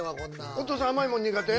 お父さん甘いもん苦手？